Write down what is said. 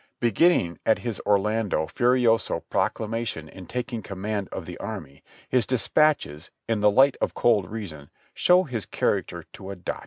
Beginning at his Orlando Fu rioso proclamation in taking command of the army, his dispatches, in the light of cold reason, show his character to a dot.